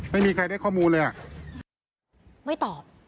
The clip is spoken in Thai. ไม่ตอบ